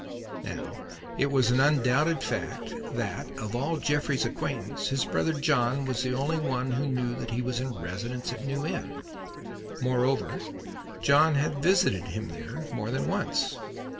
Now it was an undoubted fact that, of all Jeffrey's acquaintance, his brother John was the only one who knew that he was in residence at New Inn. Moreover John had visited him there more than once.